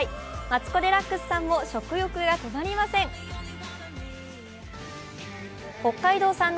マツコ・デラックスさんも食欲が止まりません。